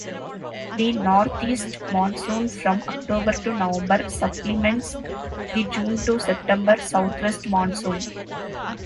The northeast monsoon from October to November supplements the June to September southwest monsoon.